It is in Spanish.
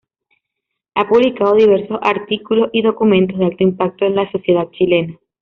Ha publicado diversos artículos y documentos de alto impacto en la sociedad chilena.